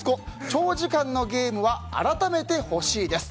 長時間のゲームは改めてほしいです！